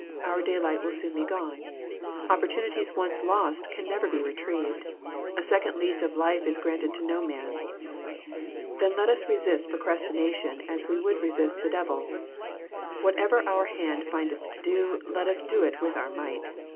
j Our daylight will soon be gone. Opportunities once lost / can never be retrieved. A second lease of life is granted to no man. Then let us resist procrastination as we would resist the devil. Whatever our hand findeth to do, let us do it with our might.